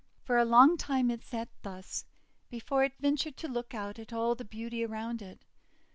For a long time it sat thus, before it ventured to look out at all the beauty around it.